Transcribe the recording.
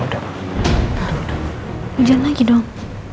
udah jalan lagi dong